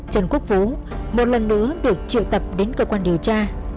trần quốc vũ một lần nữa được triệu tập đến cơ quan điều tra